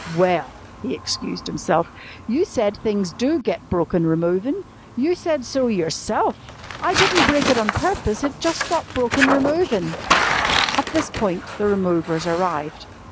"Well," he excused himself, "you said things do get broken removin'. You said so yourself! I didn't break it on purpose. It jus' got broken removin'." At this point the removers arrived.